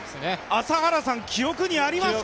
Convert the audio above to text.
朝原さん、記憶にありますか？